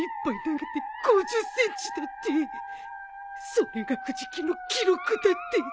それが藤木の記録だって